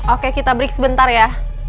oke kita break sebentar ya